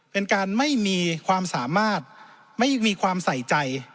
เป็นการไม่มีความสามารถไม่มีความใส่ใจ